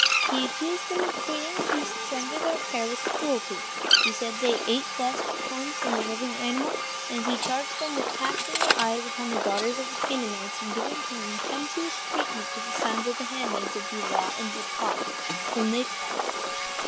He accused them of treating the beasts under their care with cruelty—he said that they ate flesh torn from a living animal—and he charged them with casting their eyes upon the daughters of the Canaanites, and giving contemptuous treatment to the sons of the handmaids Bilhah and Zilpah, whom they called slaves.